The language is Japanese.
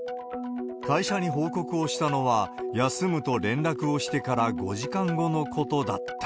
会社に報告をしたのは、休むと連絡をしてから５時間後のことだった。